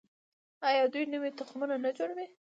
آیا دوی نوي تخمونه نه جوړوي؟